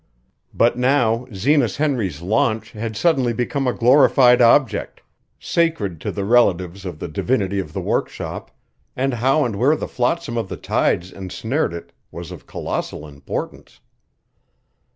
But now Zenas Henry's launch had suddenly become a glorified object, sacred to the relatives of the divinity of the workshop, and how and where the flotsam of the tides ensnared it was of colossal importance.